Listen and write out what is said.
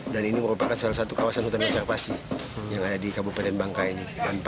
dan ini merupakan salah satu kawasan hutan konservasi yang ada di kabupaten bangka ini